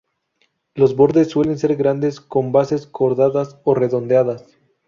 Los bordes suelen ser grandes con bases cordadas o redondeadas.